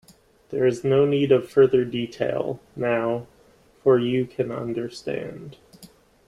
There is no need of further detail, now -- for you can understand.